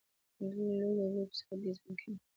دوی لوګو او ویب سایټ ډیزاین کوي.